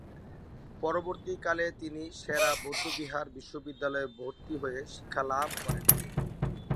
পরবর্তীকালে তিনি সে-রা বৌদ্ধবিহার বিশ্ববিদ্যালয়ে ভর্তি হয়ে শিক্ষালাভ করেন।